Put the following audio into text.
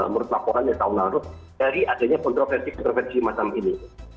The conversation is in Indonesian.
menurut laporan yang tahun lalu dari adanya kontroversi kontroversi macam ini